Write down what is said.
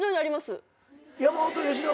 山本由伸。